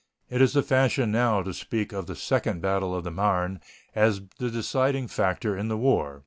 It is the fashion now to speak of the second battle of the Marne as the deciding factor in the war.